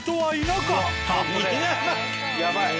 やばい。